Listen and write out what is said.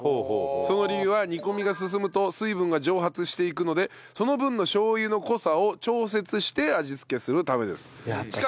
その理由は煮込みが進むと水分が蒸発していくのでその分のしょう油の濃さを調節して味付けするためです。